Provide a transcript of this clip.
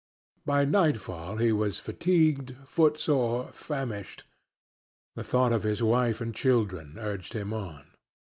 By nightfall he was fatigued, footsore, famishing. The thought of his wife and children urged him on.